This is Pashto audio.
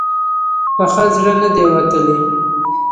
په ښه زړه نه دی وتلی.